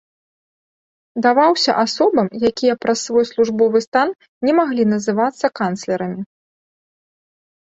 Даваўся асобам, якія праз свой службовы стан не маглі называцца канцлерамі.